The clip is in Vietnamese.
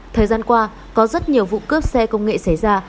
thời gian qua có rất nhiều vụ cướp xe công nghệ xảy ra